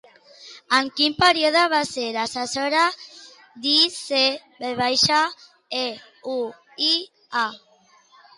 En quin període va ser assessora d'ICV-EUiA?